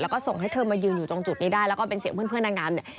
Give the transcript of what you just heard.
แล้วก็ส่งให้เธอมายืนอยู่ตรงจุดนี้ได้แล้วก็เป็นเสียงเพื่อนนางงามเนี่ย